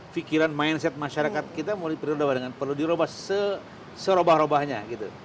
fikiran mindset masyarakat kita perlu dirobah dengan perlu dirobah serobah robahnya gitu